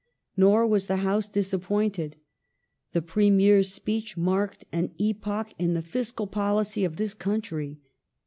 Nor was the House disappointed. The Premier's speech mai'ked an epoch in the fiscal policy of this country.